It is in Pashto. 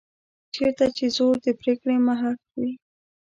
چېرته چې زور د پرېکړې محک وي.